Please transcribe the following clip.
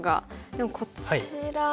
でもこちら。